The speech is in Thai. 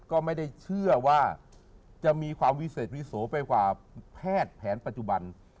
ก็ไม่ได้เชื่อว่าจะมีความวิเศษวิโสไปกว่าแพทย์แผนปัจจุบัน